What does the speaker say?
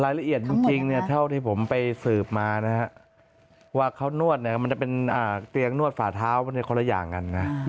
รายละเอียดจริงเท่าที่ผมไปสืบมานะครับว่าเขานวดเนี่ยมันจะเป็นเตียงนวดฝ่าเท้ามันจะคนละอย่างกันนะ